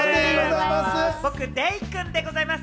僕、デイくんでございます。